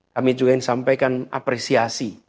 kami juga ingin sampaikan apresiasi